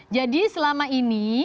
jadi selama ini